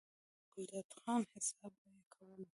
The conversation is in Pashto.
ملا ګلداد خان، حساب به ئې کولو،